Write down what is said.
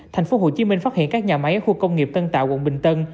tp hcm phát hiện các nhà máy khu công nghiệp tân tạo quận bình tân